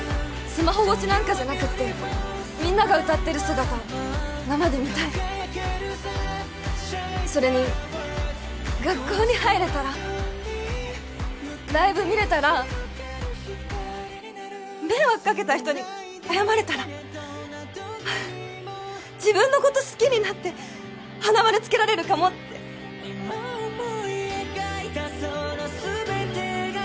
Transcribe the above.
スマホ越しなんかじゃなくってみんなが歌ってる姿生で見たいそれに学校に入れたらライブ見れたら迷惑かけた人に謝れたら自分のこと好きになって花丸つけられるかもっていま思い描いたその全てが